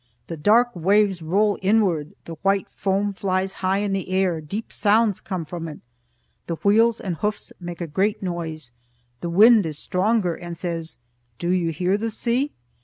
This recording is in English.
The dark waves roll inward, the white foam flies high in the air; deep sounds come from it. The wheels and hoofs make a great noise; the wind is stronger, and says, "Do you hear the sea?"